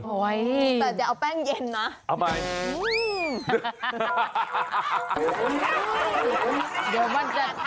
แต่จะเอาแป้งเย็นนะ